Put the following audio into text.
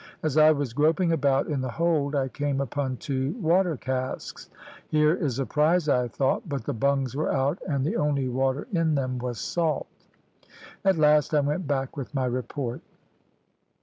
As I was groping about in the hold I came upon two water casks. Here is a prize I thought, but the bungs were out, and the only water in them was salt. At last I went back with my report.